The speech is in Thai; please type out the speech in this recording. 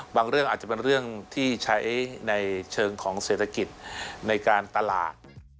เรื่องอาจจะเป็นเรื่องที่ใช้ในเชิงของเศรษฐกิจในการตลาด